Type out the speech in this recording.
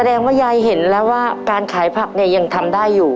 ยายว่ายายเห็นแล้วว่าการขายผักเนี่ยยังทำได้อยู่